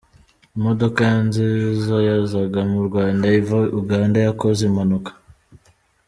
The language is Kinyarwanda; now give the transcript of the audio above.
Imodoka ya nziza yazaga mu Rwanda iva Uganda yakoze impanuka